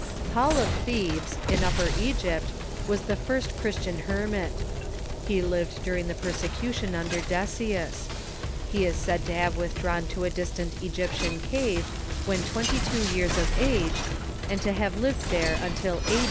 Paul of Thebes, in Upper Egypt, was the first Christian her mit. He lived during the persecution under Decius. He is said to have withdrawn to a distant Egj^ptian cave Examples when twenty two years of age, and to have lived there until a.